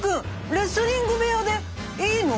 レスリング部屋でいいの？